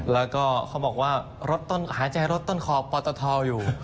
แล้วก็เขาบอกว่าหาใจรถต้นคอปอนตะทออยู่